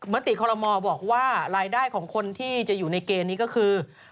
มติคอลโมบอกว่ารายได้ของคนที่จะอยู่ในเกณฑ์นี้ก็คือ